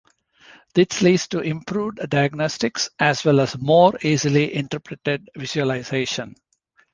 This leads to improved diagnostics, as well as more easily interpreted visualization.